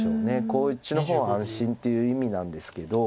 こっちの方が安心という意味なんですけど。